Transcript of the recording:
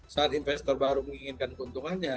saat investor baru menginginkan keuntungannya